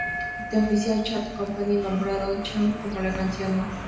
The Official Charts Company nombró a "Don't Cha" como la canción no.